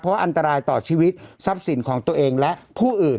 เพราะอันตรายต่อชีวิตทรัพย์สินของตัวเองและผู้อื่น